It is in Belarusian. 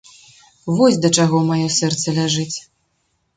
Вось да чаго маё сэрца ляжыць.